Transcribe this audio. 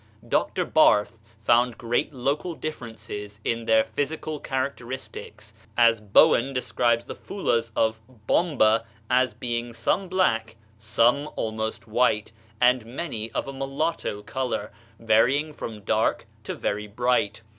Dr. Barth found great local differences in their physical characteristics, as Bowen describes the Foolahs of Bomba as being some black, some almost white, and many of a mulatto color, varying from dark to very bright.